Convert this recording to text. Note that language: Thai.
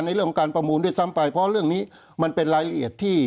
เรื่องของการประมูลด้วยซ้ำไปเพราะเรื่องนี้มันเป็นรายละเอียดที่